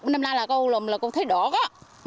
năm nay là câu thấy đỏ đó